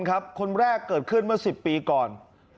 คนแรกเกิดขึ้นเมื่อ๑๐ปีก่อน